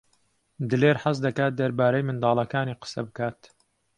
دلێر حەز دەکات دەربارەی منداڵەکانی قسە بکات.